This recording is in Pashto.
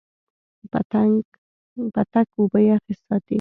پتک اوبه یخې ساتي.